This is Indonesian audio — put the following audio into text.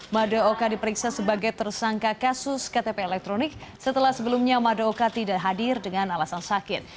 madaoka diperiksa sebagai tersangka kasus ktp elektronik setelah sebelumnya madaoka tidak hadir dengan alasan sakit